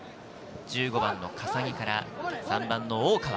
１５番・笠置から３番・大川。